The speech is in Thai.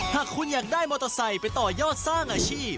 หากคุณอยากได้มอเตอร์ไซค์ไปต่อยอดสร้างอาชีพ